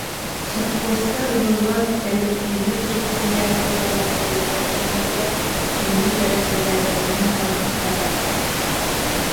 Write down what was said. Сопхуостар ыһыллан, кол- лективнай предприятиелар тэриллэр кэмнэригэр кинини бэрэссэдээтэлинэн талбыттара